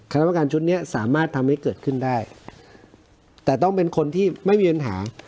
ประการชุดนี้สามารถทำให้เกิดขึ้นได้แต่ต้องเป็นคนที่ไม่มีปัญหา